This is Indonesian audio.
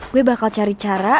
gue bakal cari cara